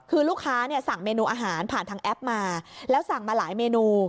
คือลูกค้าเนี่ยสั่งเมนูอาหารผ่านทางแอปมาแล้วสั่งมาหลายเมนู